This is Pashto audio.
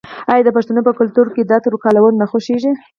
آیا د پښتنو په کلتور کې د عطرو کارول نه خوښیږي؟